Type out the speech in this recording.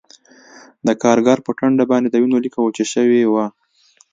د کارګر په ټنډه باندې د وینو لیکه وچه شوې وه